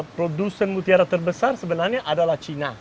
produsen mutiara terbesar sebenarnya adalah cina